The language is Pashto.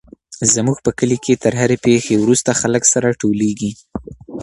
زموږ په کلي کي تر هرې پېښي وروسته خلک سره ټولېږي.